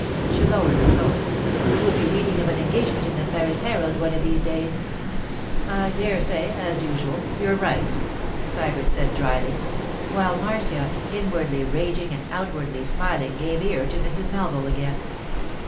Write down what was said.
She lowered her tone. 'We'll be reading of an engagement in the Paris Herald one of these days.' 'I dare say, as usual, you're right,' Sybert said dryly; while Marcia, inwardly raging and outwardly smiling, gave ear to Mrs. Melville again.